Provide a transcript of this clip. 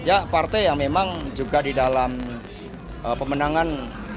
ya partai yang memang juga di dalam pemenangan